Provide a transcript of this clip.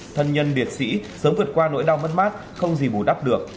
thân nhân liệt sĩ sớm vượt qua nỗi đau mất mát không gì bù đắp được